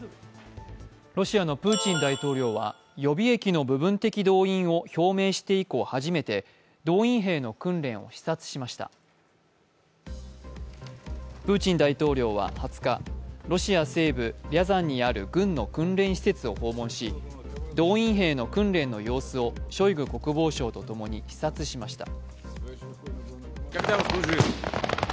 ロシアのプーチン大統領は予備役の部分的動員を表明して以降、初めて動員兵の訓練を視察しましたプーチン大統領は２０日、ロシア西部リャザンにある軍の訓練施設を訪問し、動員兵の訓練の様子をショイグ国防相と共に視察しました。